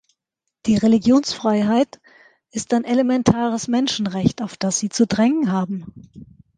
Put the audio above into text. Die Religionsfreiheit ist ein elementares Menschenrecht, auf das Sie zu drängen haben!